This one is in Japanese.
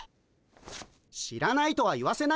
知らないとは言わせないよ。